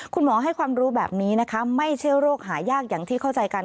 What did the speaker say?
คุณหมอให้ความรู้แบบนี้นะคะไม่เชื่อโรคหายากอย่างที่เข้าใจกัน